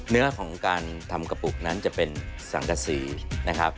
เนื้อของการทำกระปุกนั้นจะเป็นสังกษีนะครับ